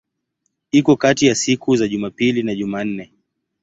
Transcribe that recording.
Iko kati ya siku za Jumapili na Jumanne.